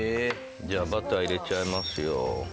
じゃあバター入れちゃいますよ。